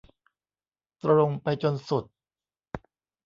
ตรงไปจนสุด